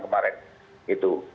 kemudian kita lakukan kemarin